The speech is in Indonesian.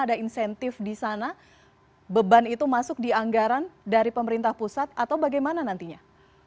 ada insentif di sana beban itu masuk di anggaran dari pemerintah pusat atau bagaimana nantinya